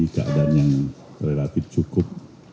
keadaan yang relatif cukup